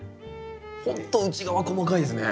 ほんと内側細かいですね。